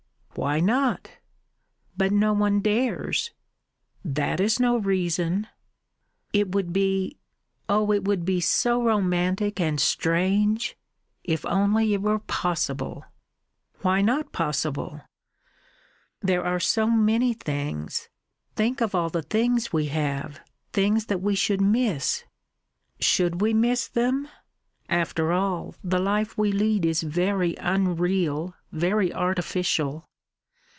"Why not?" "But no one dares." "That is no reason." "It would be oh! it would be so romantic and strange. If only it were possible." "Why not possible?" "There are so many things. Think of all the things we have, things that we should miss." "Should we miss them? After all, the life we lead is very unreal very artificial."